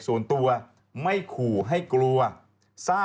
น้องกลัวอย่าไปแจ้งตำรวจดีกว่าเด็ก